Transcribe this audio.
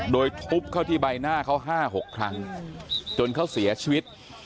โดยทุบเข้าที่ใบหน้าเขา๕๖ครั้งจนเขาเสียชีวิต